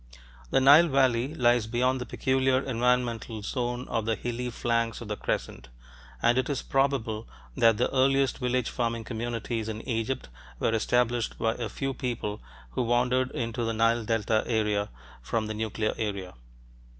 The Nile Valley lies beyond the peculiar environmental zone of the hilly flanks of the crescent, and it is probable that the earliest village farming communities in Egypt were established by a few people who wandered into the Nile delta area from the nuclear area.